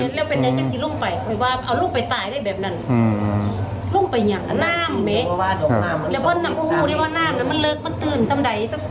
พอลุ้งไปใช่เรียกว่าเอาลูกไปตายได้แบบนั้น